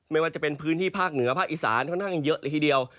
ไม่ว่าจะเป็นพื้นที่ภาคเหนือภาคอีสานค่อนข้างเยอะเลยทีเดียว